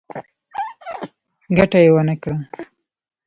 ګټه يې ونکړه.